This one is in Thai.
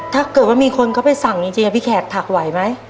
ถ้าเกิดว่ามีคนเขาไปสั่งจริงพี่แขกถักไหวไหม